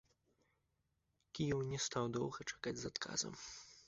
Кіеў не стаў доўга чакаць з адказам.